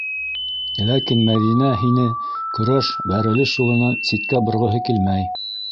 Ләкин Мәҙинә һине көрәш, бәрелеш юлынан ситкә борғоһо килмәй.